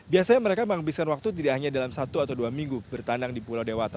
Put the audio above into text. biasanya mereka menghabiskan waktu tidak hanya dalam satu atau dua minggu bertandang di pulau dewata